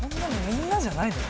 みんなじゃないの？